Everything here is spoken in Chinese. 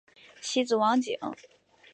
其子王景。